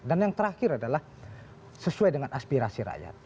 dan yang terakhir adalah sesuai dengan aspirasi rakyat